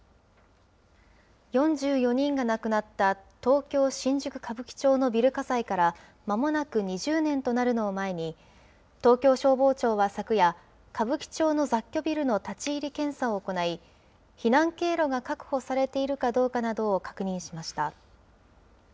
４４人が亡くなった、東京・新宿歌舞伎町のビル火災から、まもなく２０年となるのを前に、東京消防庁は昨夜、歌舞伎町の雑居ビルの立ち入り検査を行い、避難経路が確保されているかどうかなどを確認しました。